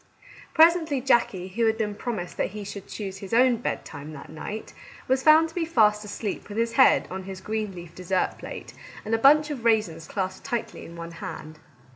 Presently, Jackie, who had been promised that he should choose his own bedtime that night, was found to be fast asleep with his head on his green leaf dessert plate, and a bunch of raisins clasped tightly in one hand.